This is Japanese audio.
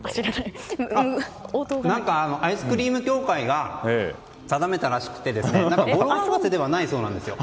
アイスクリーム協会が定めたらしくて語呂合わせではないそうなんですよ。